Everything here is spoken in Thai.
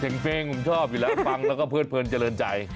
เสียงเพลงผมชอบอยู่แล้วฟังแล้วก็เพิ่นเจริญใจ